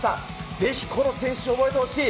ぜひこの選手、覚えてほしい。